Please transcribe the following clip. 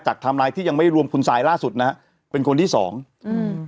จากทำลายที่ยังไม่รวมโคนไสล่ล่าสุดนะฮะเป็นคนที่สองอืม